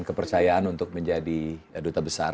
kepercayaan untuk menjadi duta besar